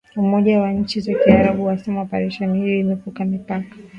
umoja wa nchi za kiarabu wasema oparesheni hiyo imevuka mipaka